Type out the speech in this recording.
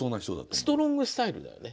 ストロングスタイルだよね。